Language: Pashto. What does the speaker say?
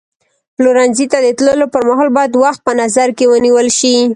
پلورنځي ته د تللو پر مهال باید وخت په نظر کې ونیول شي.